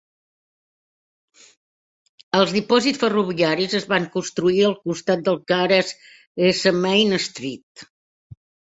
Els dipòsits ferroviaris es van construir al costat del que ara és S. Main Street.